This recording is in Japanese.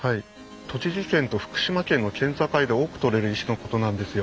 栃木県と福島県の県境で多く採れる石のことなんですよ。